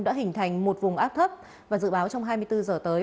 đã hình thành một vùng áp thấp và dự báo trong hai mươi bốn giờ tới